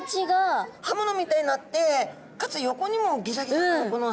刃物みたいになってかつ横にもギザギザが。